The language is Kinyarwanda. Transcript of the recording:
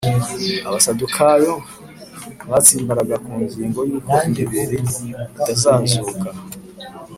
” Abasadukayo batsimbararaga ku ngingo yuko imibiri itazazuka